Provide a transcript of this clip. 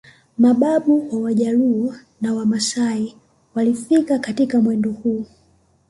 Mababu wa Wajaluo na Wamasai walifika katika mwendo huu